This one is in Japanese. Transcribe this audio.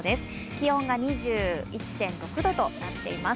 気温が２１．６度となっています。